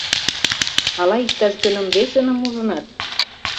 Ала иктаж-кӧным весыным ужынат?